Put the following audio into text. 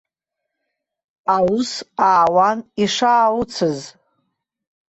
Аус аауан ишаауцыз.